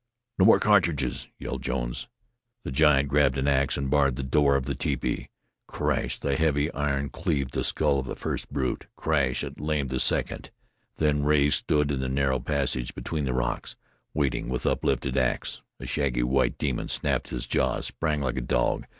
"No more cartridges!" yelled Jones. The giant grabbed the ax, and barred the door of the tepee. Crash! the heavy iron cleaved the skull of the first brute. Crash! it lamed the second. Then Rea stood in the narrow passage between the rocks, waiting with uplifted ax. A shaggy, white demon, snapping his jaws, sprang like a dog.